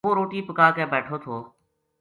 وہ روٹی پکا کے بیٹھو تھو